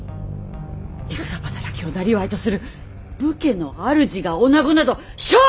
戦働きをなりわいとする武家の主が女子など笑止千万！